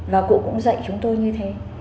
và cụ cũng dạy chúng tôi như thế